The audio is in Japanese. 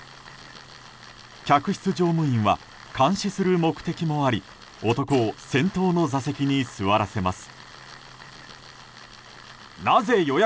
客室乗務員は監視する目的もあり男を先頭の座席に座らせます。